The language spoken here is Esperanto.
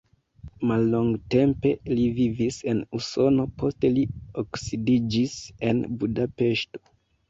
Mallongtempe li vivis en Usono, poste li loksidiĝis en Budapeŝto.